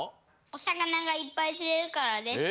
おさかながいっぱいつれるからです。